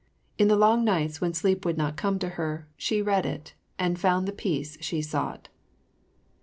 In the long nights when sleep would not come to her, she read it and found the peace she sought.